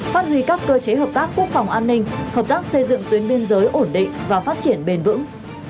phát huy các cơ chế hợp tác quốc phòng an ninh hợp tác xây dựng tuyến biên giới ổn định và phát triển bền vững